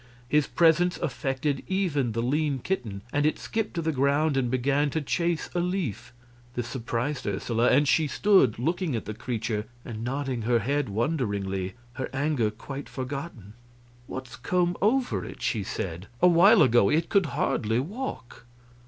His presence affected even the lean kitten, and it skipped to the ground and began to chase a leaf. This surprised Ursula, and she stood looking at the creature and nodding her head wonderingly, her anger quite forgotten. "What's come over it?" she said. "Awhile ago it could hardly walk."